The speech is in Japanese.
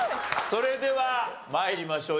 それでは参りましょう。